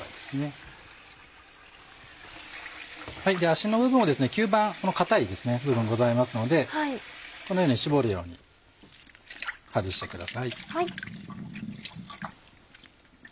足の部分をですね吸盤硬い部分ございますのでこのように絞るように外してください。